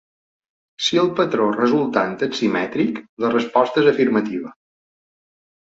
Si el patró resultant és simètric, la resposta és afirmativa.